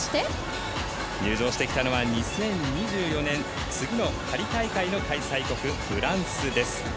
入場してきたのは２０２４年次のパリ大会の開催国フランスです。